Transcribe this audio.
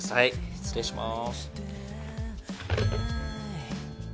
失礼します。